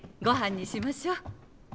ごはんにしましょ。